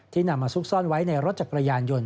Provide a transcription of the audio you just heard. นำมาซุกซ่อนไว้ในรถจักรยานยนต์